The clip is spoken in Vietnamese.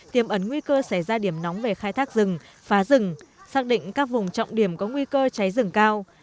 tiềm ẩn nguy cơ xảy ra điểm nóng về khai thác rừng phá rừng xác định các vùng trọng điểm có nguy cơ cháy rừng cao